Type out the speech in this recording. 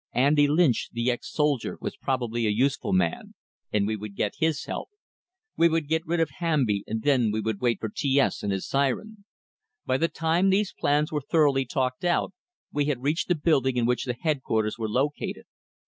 Andy Lynch, the ex soldier, was probably a useful man, and we would get his help. We would get rid of Hamby, and then we would wait for T S and his siren. By the time these plans were thoroughly talked out, we had reached the building in which the headquarters were located.